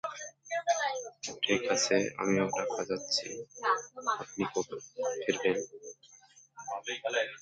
এক্স-মেনকে শহরের রক্ষাকর্তা করা হয়।